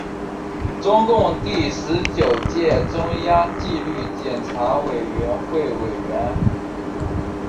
中共第十九届中央纪律检查委员会委员。